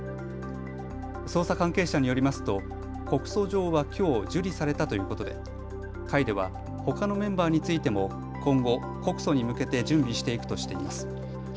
捜査関係者によりますと告訴状はきょう受理されたということで会ではほかのメンバーについても今後、告訴に向けて準備していくとしています。